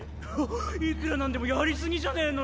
いくらなんでもやり過ぎじゃねぇの？